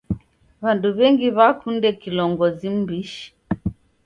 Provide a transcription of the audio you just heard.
W'andu w'engi w'akunde kilongozi m'mbishi.